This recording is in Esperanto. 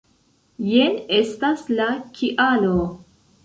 Jen estas la kialo.